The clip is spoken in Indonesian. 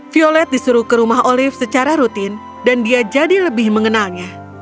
violet disuruh ke rumah olive secara rutin dan dia jadi lebih mengenalnya